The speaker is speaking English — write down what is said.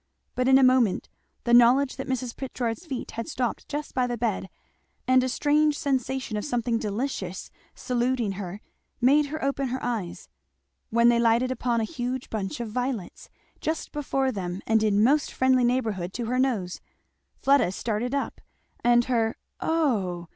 But in a moment, the knowledge that Mrs. Pritchard's feet had stopped just by the bed, and a strange sensation of something delicious saluting her made her open her eyes; when they lighted upon a huge bunch of violets, just before them and in most friendly neighbourhood to her nose. Fleda started up, and her "Oh!"